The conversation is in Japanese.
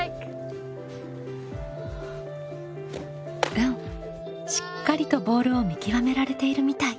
うんしっかりとボールを見極められているみたい。